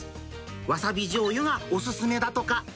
わさびじょうゆがお勧めだとか。